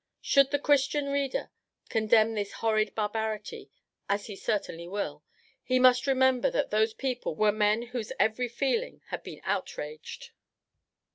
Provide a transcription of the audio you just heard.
Should the Christian reader condemn this horrid barbarity, as he certainly will, he must remember that those people were men whose every feeling had been outraged.